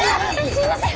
すいません！